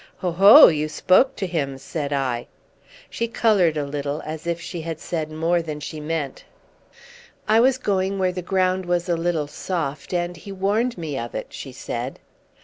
"Ho, ho! you spoke to him!" said I. She coloured a little, as if she had said more than she meant. "I was going where the ground was a little soft, and he warned me of it," she said.